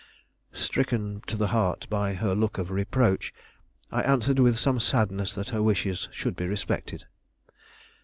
Stricken to the heart by her look of reproach, I answered with some sadness that her wishes should be respected.